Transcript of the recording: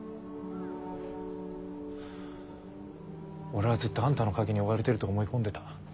俺はずっとあんたの影に追われてると思い込んでた。